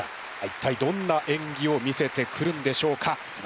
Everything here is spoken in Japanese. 一体どんなえんぎを見せてくるんでしょうか。